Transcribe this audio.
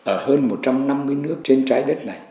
ở hơn một trăm năm mươi nước trên trái đất này